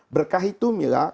berkah itu mila